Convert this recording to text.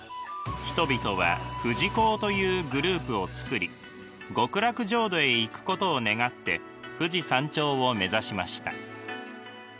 人々は富士講というグループをつくり極楽浄土へ行くことを願って富士山頂を目指しました。